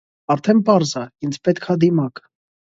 Արդեն պարզ ա՝ ինձ պետք ա դիմակ...